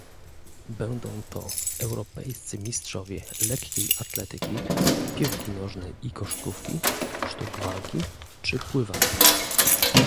Będą to europejscy mistrzowie lekkiej atletyki, piłki nożnej i koszykówki, sztuk walki, czy pływania